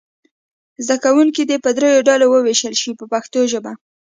زده کوونکي دې په دریو ډلو وویشل شي په پښتو ژبه.